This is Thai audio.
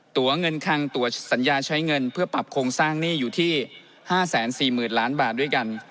ตัวเงินคังตัวสัญญาใช้เงินเพื่อปรับโครงสร้างหนี้อยู่ที่๕๔๐๐๐ล้านบาทด้วยกัน